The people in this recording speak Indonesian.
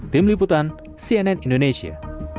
tim liputan cnn indonesia